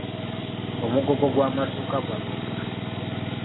Omugogo gw'amasuuka gwa mmeka?